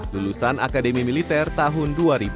lulusan akademi militer tahun dua ribu